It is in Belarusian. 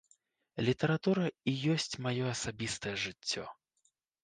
Літаратура і ёсць маё асабістае жыццё.